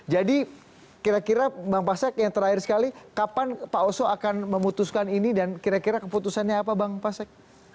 jadi kira kira bang pasek yang terakhir sekali kapan pak oso akan memutuskan ini dan kira kira keputusannya apa bang pasek